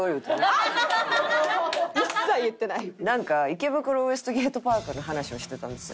『池袋ウエストゲートパーク』の話をしてたんですよ。